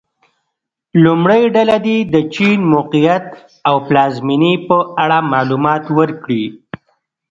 لومړۍ ډله دې د چین موقعیت او پلازمېنې په اړه معلومات ورکړي.